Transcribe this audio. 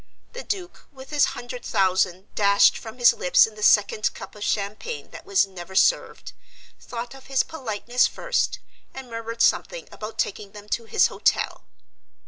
The Duke, with his hundred thousand dashed from his lips in the second cup of champagne that was never served, thought of his politeness first and murmured something about taking them to his hotel.